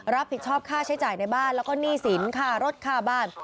รับผิดชอบค่าใช้จ่ายในบ้านแล้วก็หนี้สินค่ารถค่าบ้าน